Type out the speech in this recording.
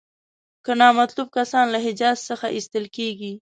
که نامطلوب کسان له حجاز څخه ایستل کیږي.